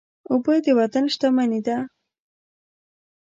اوبه د وطن شتمني ده.